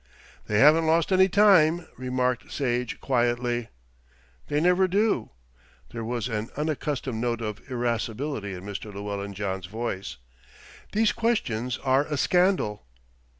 "They haven't lost any time," remarked Sage quietly. "They never do." There was an unaccustomed note of irascibility in Mr. Llewellyn John's voice. "These questions are a scandal."